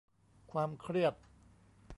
ความเครียด